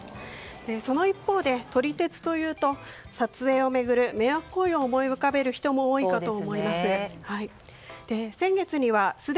その一方で、撮り鉄というと撮影を巡る迷惑行為を思い浮かべる人も多いかと思います。